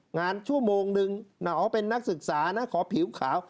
งานชั่วโมงหนึ่งเป็นนักศึกษาขอผิวขาว